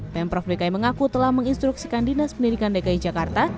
pemprov dki mengaku telah menginstruksikan dinas pendidikan dki jakarta